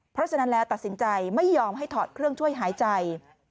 เพราะฉะนั้นแล้วตัดสินใจไม่ยอมให้ถอดเครื่องช่วยหายใจ